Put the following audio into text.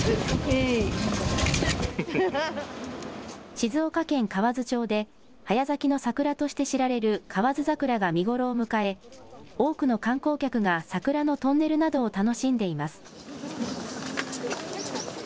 静岡県河津町で、早咲きの桜として知られる河津桜が見頃を迎え、多くの観光客が桜のトンネルなどを楽しんでいます。